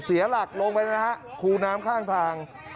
เสียหลักลงไปนะฮะคูน้ำข้างทาง